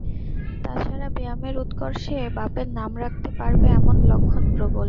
তা ছাড়া ব্যায়ামের উৎকর্ষে বাপের নাম রাখতে পারবে এমন লক্ষণ প্রবল।